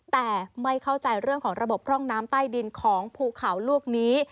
แต่ไม่เข้าใจเรื่องของระบบพร่องน้ำใต้ดินของภูเขาลวกนี้